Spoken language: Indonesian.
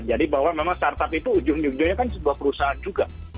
jadi bahwa memang start up itu ujung ujungnya kan sebuah perusahaan juga